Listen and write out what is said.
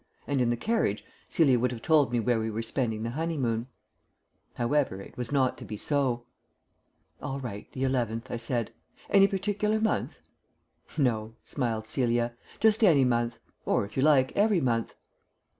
and in the carriage Celia would have told me where we were spending the honeymoon. However, it was not to be so. "All right, the eleventh," I said. "Any particular month?" "No," smiled Celia, "just any month. Or, if you like, every month."